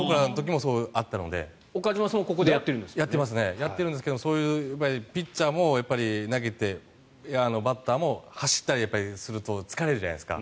やってるんですけどピッチャーも投げてバッターも走ったりすると疲れるじゃないですか。